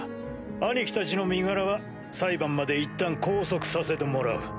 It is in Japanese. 兄貴たちの身柄は裁判までいったん拘束させてもらう。